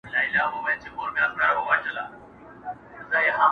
پر هوسۍ سترګو چي رنګ د کجل راسي!.